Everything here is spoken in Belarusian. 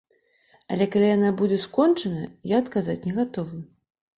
Але калі яна будзе скончаная, я адказаць не гатовы.